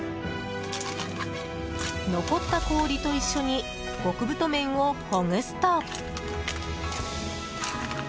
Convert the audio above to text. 残った氷と一緒に極太麺をほぐすと。